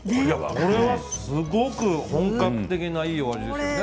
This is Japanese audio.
これは、すごく本格的ないいお味です。